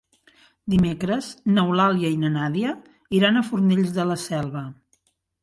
Dimecres n'Eulàlia i na Nàdia iran a Fornells de la Selva.